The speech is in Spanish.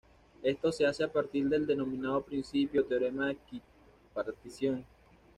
Esto se hace a partir del denominado principio o teorema de equipartición.